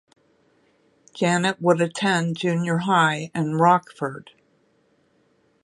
Janet would attend Junior High in Rockford.